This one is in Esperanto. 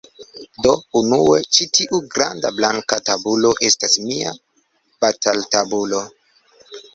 Do, unue, ĉi tiu granda blanka tabulo estas mia bataltabulo